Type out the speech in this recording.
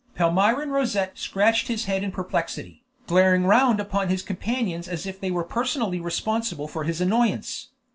Palmyrin Rosette scratched his head in perplexity, glaring round upon his companions as if they were personally responsible for his annoyance.